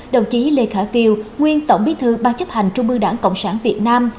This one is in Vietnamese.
đồng chí lê khả viêu nguyên tổng bí thư ban chấp hành trung mưu đảng cộng sản việt nam